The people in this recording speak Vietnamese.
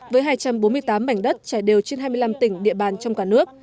với hai trăm bốn mươi tám mảnh đất trải đều trên hai mươi năm tỉnh địa bàn trong cả nước